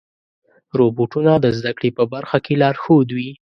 روبوټونه د زدهکړې په برخه کې لارښود وي.